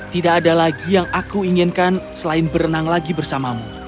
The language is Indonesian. tidak ada lagi yang aku inginkan selain berenang lagi bersamamu